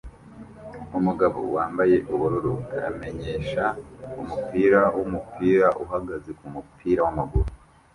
Umugabo wambaye ubururu amenyesha umupira wumupira uhagaze kumupira wamaguru